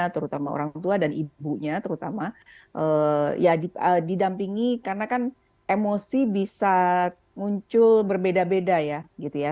terutama orang tua dan ibunya terutama ya didampingi karena kan emosi bisa muncul berbeda beda ya gitu ya